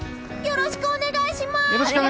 よろしくお願いします！